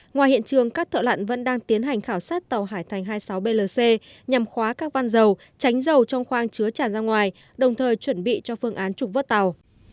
ngoài hiện trường các thợ lặn vẫn đang tiến hành khảo sát tàu hải thành hai mươi sáu blc nhằm khóa các văn dầu tránh dầu trong khoang chứa tràn ra ngoài đồng thời chuẩn bị cho phương án trục vớt tàu